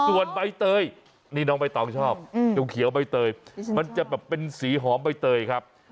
ส่วนใบเตยนี่น้องใบตองชอบดูเขียวใบเตยมันจะแบบเป็นสีหอมใบเตยครับ